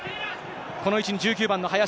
この位置に１９番の林。